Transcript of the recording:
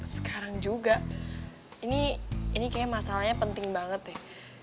sekarang juga ini kayaknya masalahnya penting banget ya